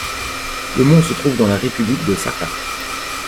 Le mont se trouve dans la république de Sakha.